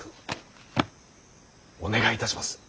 お願いいたします。